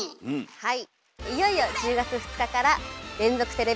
はい。